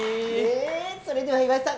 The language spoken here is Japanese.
それでは岩井さん